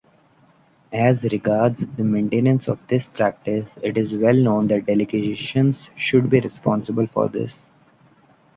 As regards the maintenance of this practice, it is well known that delegations should be responsible for this.